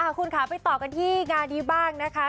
คุณค่ะไปต่อกันที่งานนี้บ้างนะคะ